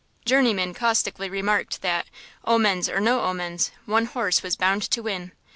Journeyman caustically remarked that, omens or no omens, one horse was bound to win.